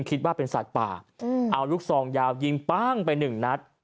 คิดว่าเป็นสัตว์ป่าเอาลูกซองยาวยิงปั้งไปหนึ่งนัด